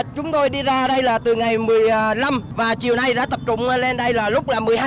chúng tôi đi ra đây là từ ngày một mươi năm và chiều nay đã tập trung lên đây là lúc là một mươi hai h